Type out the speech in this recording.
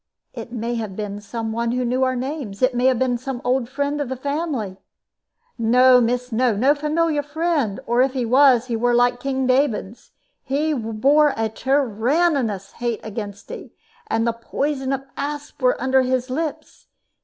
It may have been some one who knew our names. It may have been some old friend of the family." "No, miss, no! No familiar friend; or if he was, he were like King David's. He bore a tyrannous hate against 'e, and the poison of asps were under his lips.